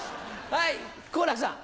はい好楽さん。